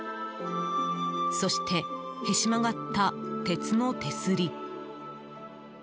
そして、へし曲がった鉄の手すり。